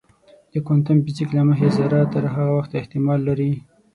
د کوانتم فزیک له مخې ذره تر هغه وخته احتمال لري.